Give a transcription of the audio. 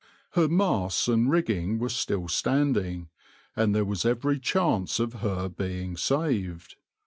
Her masts and rigging were still standing, and there was every chance of her being saved.